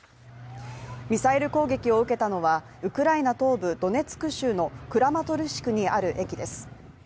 ミサイル攻撃を受けたのはウクライナ東部ドネツク州のクラマトルシクにある駅です。